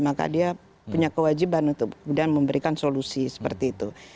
maka dia punya kewajiban untuk kemudian memberikan solusi seperti itu